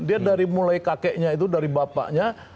dia dari mulai kakeknya itu dari bapaknya